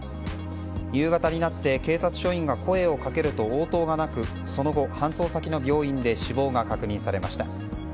夕方になって警察署員が声を掛けると応答がなくその後、搬送先の病院で死亡が確認されました。